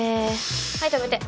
はい止めて。